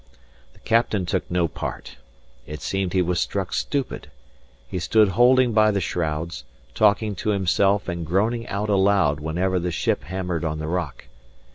The captain took no part. It seemed he was struck stupid. He stood holding by the shrouds, talking to himself and groaning out aloud whenever the ship hammered on the rock.